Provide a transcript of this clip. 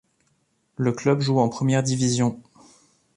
Le club joue en première division.